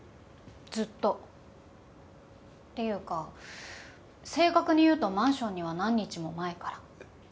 ずっと。っていうか正確に言うとマンションには何日も前から。